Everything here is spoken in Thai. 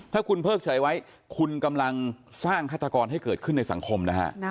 ถ้าคุณเพิกเฉยไว้คุณกำลังสร้างฆาตกรให้เกิดขึ้นในสังคมนะฮะ